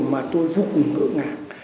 mà tôi vô cùng ngỡ ngàng